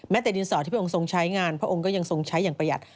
แต่ดินสอที่พระองค์ทรงใช้งานพระองค์ก็ยังทรงใช้อย่างประหยัด